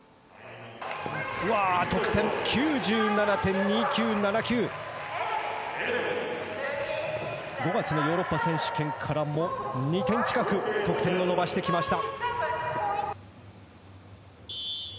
得点９７．２９７９。５月のヨーロッパ選手権からも２点近く得点を伸ばしてきました。